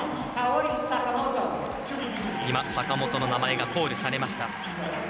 坂本の名前がコールされました。